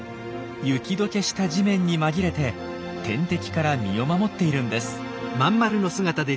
雪解けした地面に紛れて天敵から身を守っているんです。